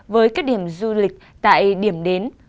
với các điểm du lịch tại điểm đến